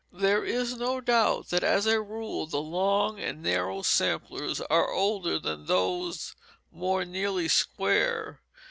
There is no doubt that as a rule the long and narrow samplers are older than those more nearly square.